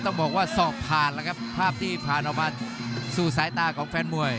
ต้องบอกว่าศอกผ่านแล้วครับภาพที่ผ่านมาสู่สายตาของแฟนมวย